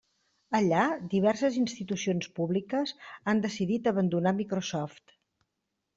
Allà, diverses institucions públiques han decidit abandonar Microsoft.